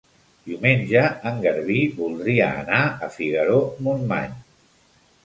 Diumenge en Garbí voldria anar a Figaró-Montmany.